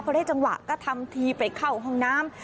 พอได้จังหวะก็ทำทีไปเข้าห้องน้ำ